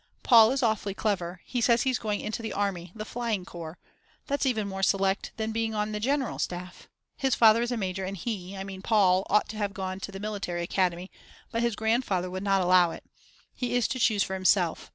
Paul is awfully clever, he says he's going into the army, the flying corps. That's even more select than being on the general staff. Her father is a major and he, I mean Paul, ought to have gone to the military academy, but his grandfather would not allow it. He is to choose for himself.